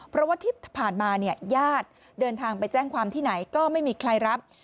เพราะว่าที่ผ่านมาเนี่ยญาติเดินทางไปแจ้งความที่ไหนก็ไม่มีใครรับ